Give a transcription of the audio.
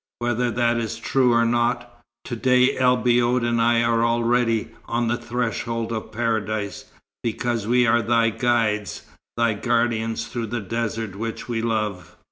Whether that is true or not, to day El Biod and I are already on the threshold of Paradise, because we are thy guides, thy guardians through the desert which we love."